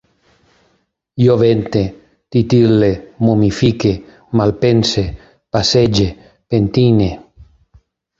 Jo vente, titil·le, momifique, malpense, passege, pentine